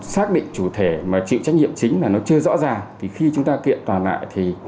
xác định chủ thể mà chịu trách nhiệm chính là nó chưa rõ ràng thì khi chúng ta kiện toàn lại thì